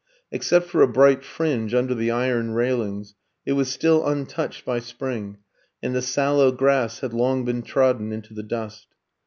Except for a bright fringe under the iron railings, it was still untouched by spring, and the sallow grass had long been trodden into the dust.